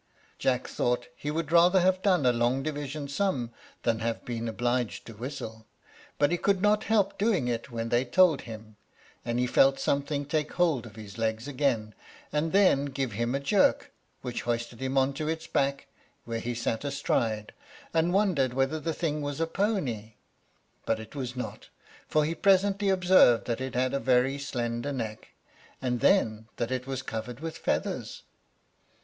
Jack thought he would rather have done a long division sum than have been obliged to whistle; but he could not help doing it when they told him, and he felt something take hold of his legs again, and then give him a jerk, which hoisted him on to its back, where he sat astride, and wondered whether the thing was a pony; but it was not, for he presently observed that it had a very slender neck, and then that it was covered with feathers.